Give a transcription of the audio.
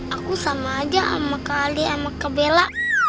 aku sama aja sama kak ali sama kak bella